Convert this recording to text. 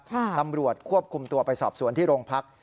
ตำรวจควบคุมตัวไปสอบสวนที่โรงพัก